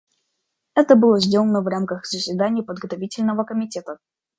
Это было сделано в рамках заседаний Подготовительного комитета.